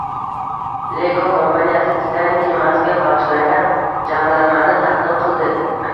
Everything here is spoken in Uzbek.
Lego kompaniyasi Titanik kemasiga bag‘ishlangan jamlanmani taqdim qildi